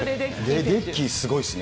レデッキーすごいですね。